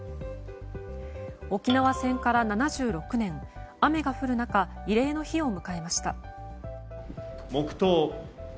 沖縄戦から７６年雨が降る中慰霊の日を迎えました。